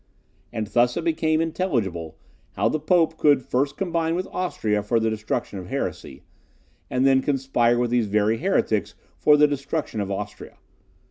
And thus it becomes intelligible how the Pope should first combine with Austria for the destruction of heresy, and then conspire with these very heretics for the destruction of Austria.